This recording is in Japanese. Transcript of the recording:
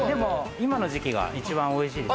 今の時期が一番おいしいです。